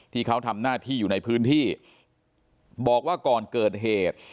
ที่เขาทำหน้าที่อยู่ในพื้นที่บอกว่าก่อนเกิดเหตุ